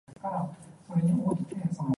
你唔係唔知嗰單野嘛？